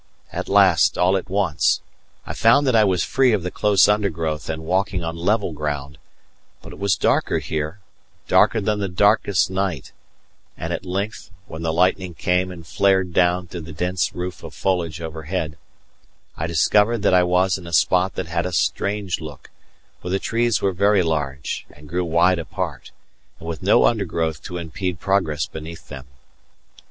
At last, all at once, I found that I was free of the close undergrowth and walking on level ground; but it was darker here darker than the darkest night; and at length, when the lightning came and flared down through the dense roof of foliage overhead, I discovered that I was in a spot that had a strange look, where the trees were very large and grew wide apart, and with no undergrowth to impede progress beneath them.